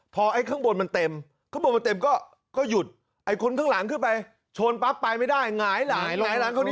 พอไอ้ข้างบนมันเต็มข้างบนมันเต็มก็หยุดไอ้คนข้างหลังขึ้นไปชนปั๊บไปไม่ได้หงายหลายหงายหลังเขาดี